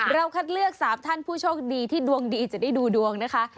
คัดเลือก๓ท่านผู้โชคดีที่ดวงดีจะได้ดูดวงนะคะ